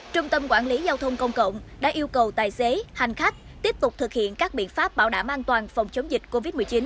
trung tâm quản lý giao thông công cộng đã yêu cầu tài xế hành khách tiếp tục thực hiện các biện pháp bảo đảm an toàn phòng chống dịch covid một mươi chín